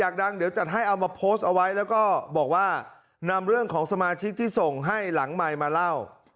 ดังเดี๋ยวจัดให้เอามาโพสต์เอาไว้แล้วก็บอกว่านำเรื่องของสมาชิกที่ส่งให้หลังใหม่มาเล่า